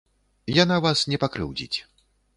Яна вас не пакрыўдзіць.